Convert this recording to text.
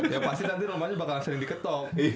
ya pasti nanti rumahnya bakalan sering diketok